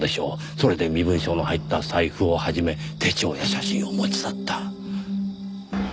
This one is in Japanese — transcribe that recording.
それで身分証の入った財布を始め手帳や写真を持ち去った。